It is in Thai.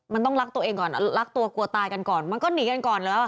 มันต้องรักตัวเองก่อนรักตัวกลัวตายกันก่อนมันก็หนีกันก่อนแล้ว